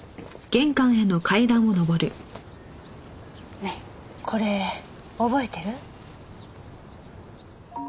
ねえこれ覚えてる？